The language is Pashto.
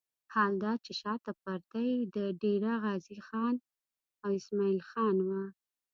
حال دا چې شاته پرده یې د ډېره غازي خان او اسماعیل خان وه.